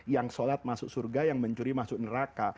yang sholat masuk surga yang mencuri masuk neraka